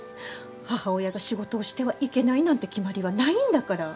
母親が仕事をしてはいけないなんて決まりはないんだから。